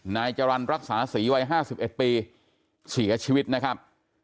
นายจรรย์รักษาศรีวัย๕๑ปีเสียชีวิตนะครับ